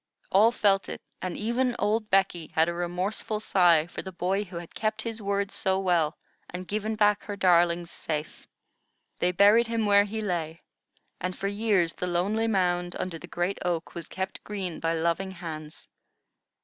All felt it, and even old Becky had a remorseful sigh for the boy who had kept his word so well and given back her darlings safe. They buried him where he lay; and for years the lonely mound under the great oak was kept green by loving hands.